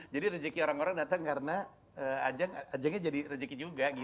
jadi rezeki orang orang datang karena ajeng ajengnya jadi rezeki juga gitu